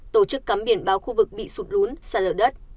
tổ chức cắm biển báo khu vực bị sụt lún sạt lở đất